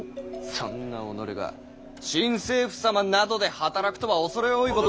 そんな己が新政府様などで働くとは畏れ多いことと。